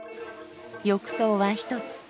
浴槽は１つ。